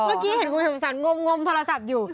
เมื่อกี้เห็นคุณสมสันงมโทรศัพท์อยู่